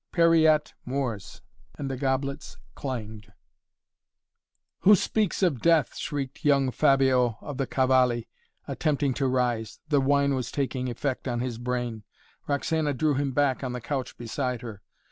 "Pereat Mors." And the goblets clanged. "Who speaks of Death?" shrieked young Fabio of the Cavalli, attempting to rise. The wine was taking effect on his brain. Roxana drew him back on the couch beside her.